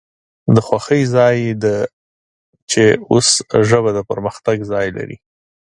د خوښۍ ځای د چې اوس ژبه د پرمختګ ځای لري